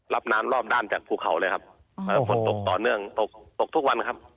รับน้ำรอบด้านจากภูเขาเลยครับฝนตกต่อเนื่องตกตกทุกวันครับ